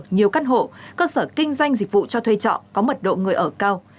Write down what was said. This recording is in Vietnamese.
nhiều căn hộ cơ sở kinh doanh dịch vụ cho thuê trọ có mật độ người ở cao